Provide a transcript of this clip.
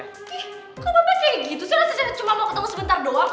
ih kok bapak kayak gitu sih rasanya cuma mau ketemu sebentar doang kok